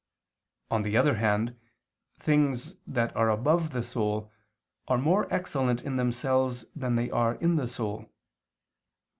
On the other hand, things that are above the soul, are more excellent in themselves than they are in the soul.